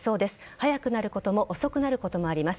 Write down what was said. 早くなることも遅くなることもあります。